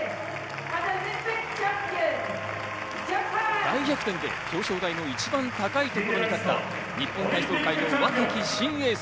大逆転で表彰台の一番高いところに立った日本体操界の若き新エース。